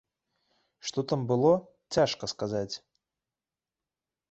Што тым было, цяжка сказаць.